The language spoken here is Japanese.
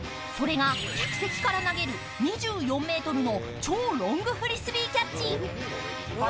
客席から投げる２４ｍの超ロングフリスビーキャッチ。